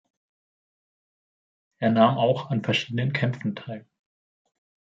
Er nahm auch an verschiedenen Kämpfen teil.